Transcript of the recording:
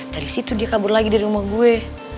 dari situ dia kabur lagi di rumah gue